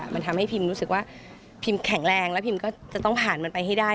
มันทำให้พิมรู้สึกว่าพิมแข็งแรงแล้วพิมก็จะต้องผ่านมันไปให้ได้